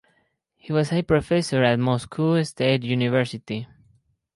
He was a professor at Moscow State University.